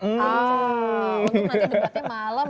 untuk nanti debatnya malem ya